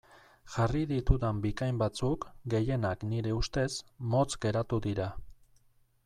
Jarri ditudan bikain batzuk, gehienak nire ustez, motz geratu dira.